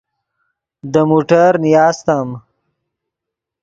دے موٹر نیاستم